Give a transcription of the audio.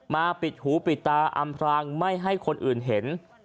ปิดหูปิดตาอำพรางไม่ให้คนอื่นเห็น